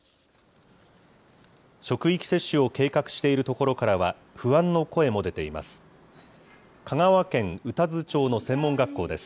職域接種を計画しているところからは、不安の声も出ています。